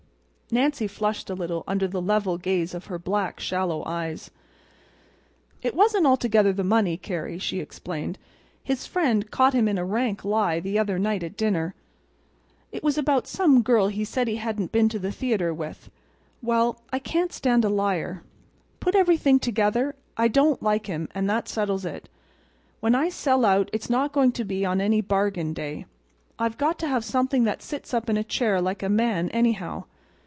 Nancy flushed a little under the level gaze of the black, shallow eyes. "It wasn't altogether the money, Carrie," she explained. "His friend caught him in a rank lie the other night at dinner. It was about some girl he said he hadn't been to the theater with. Well, I can't stand a liar. Put everything together—I don't like him; and that settles it. When I sell out it's not going to be on any bargain day. I've got to have something that sits up in a chair like a man, anyhow.